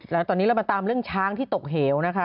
แล้วตอนนี้เรามาตามเรื่องช้างที่ตกเหวนะคะ